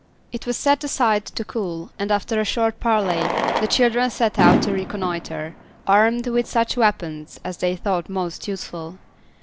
It was set aside to cool, and after a short parley, the children set out to reconnoitre, armed with such weapons as they thought most useful.